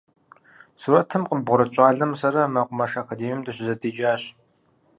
Сурэтым къыббгъурыт щӏалэмрэ сэрэ мэкъумэш академием дыщызэдеджащ.